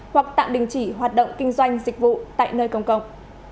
hoặc tạm đình chỉ hoạt động kinh doanh dịch vụ tại nơi công cộng